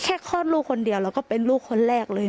คลอดลูกคนเดียวแล้วก็เป็นลูกคนแรกเลย